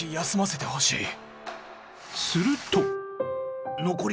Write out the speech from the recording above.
すると